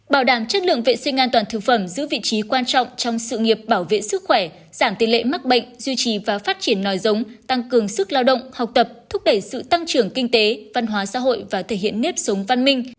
bảo đảm chất lượng vệ sinh an toàn thực phẩm giữ vị trí quan trọng trong sự nghiệp bảo vệ sức khỏe giảm tỷ lệ mắc bệnh duy trì và phát triển nòi giống tăng cường sức lao động học tập thúc đẩy sự tăng trưởng kinh tế văn hóa xã hội và thể hiện nếp sống văn minh